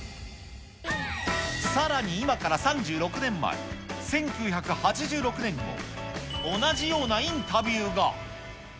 さらに今から３６年前、１９８６年にも同じようなインタビューが。